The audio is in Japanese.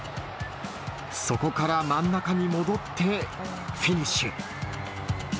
そこから真ん中に戻ってフィニッシュ。